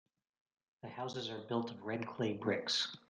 The houses are built of red clay bricks.